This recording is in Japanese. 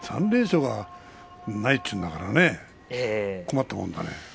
３連勝がないっていうんだから困ったもんだね。